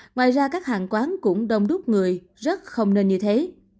ngoài ra các hàng quán cũng đông đúc người rất không nên như thế